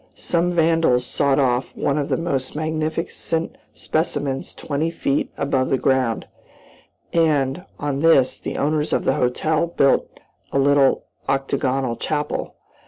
Some vandals sawed off one of the most magnificent specimens twenty feet above the ground, and, on this the owners of the hotel built a little octagonal chapel.